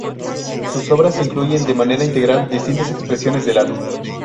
Sus obras incluyen de manera integral distintas expresiones del arte.